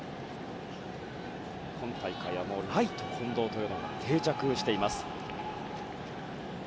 今大会はライト近藤が定着しています。